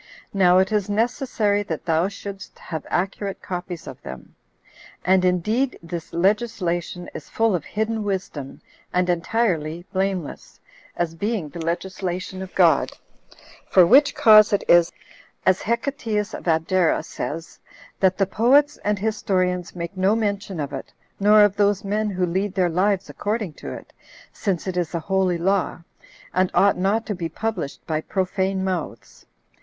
Now it is necessary that thou shouldst have accurate copies of them. And indeed this legislation is full of hidden wisdom, and entirely blameless, as being the legislation of God; for which cause it is, as Hecateus of Abdera says, that the poets and historians make no mention of it, nor of those men who lead their lives according to it, since it is a holy law, and ought not to be published by profane mouths.